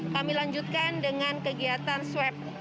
kami lanjutkan dengan kegiatan swab